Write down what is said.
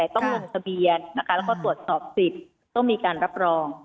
ต้องดงงทะเบียนตรวจสอบสิทธิต้องมีการรับรอง